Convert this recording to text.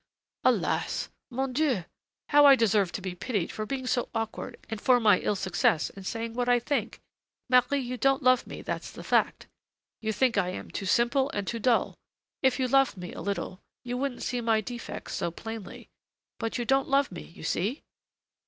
"Alas! mon Dieu! how I deserve to be pitied for being so awkward and for my ill success in saying what I think! Marie, you don't love me, that's the fact; you think I am too simple and too dull. If you loved me a little, you wouldn't see my defects so plainly. But you don't love me, you see!"